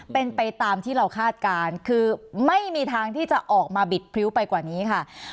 เป็นไปตามที่เราคาดการณ์คือไม่มีทางที่จะออกมาบิดพริ้วไปกว่านี้ค่ะ